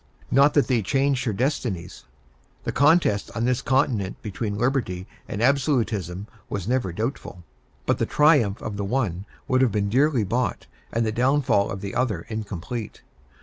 Not that they changed her destinies. The contest on this continent between Liberty and Absolutism was never doubtful; but the triumph of the one would have been dearly bought, and the downfall of the other incomplete.